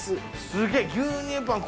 すげぇ牛乳パン